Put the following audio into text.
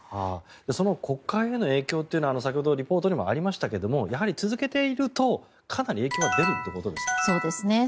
その国会への影響というのは先ほどリポートにもありましたがやはり続けているとかなり影響は出るということですか？